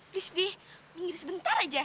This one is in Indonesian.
please di minggir sebentar aja